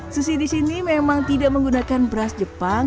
sushi disini memang tidak menggunakan beras jepang